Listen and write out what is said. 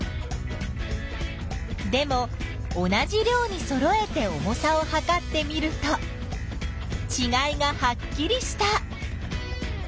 でも同じ量にそろえて重さをはかってみるとちがいがはっきりした。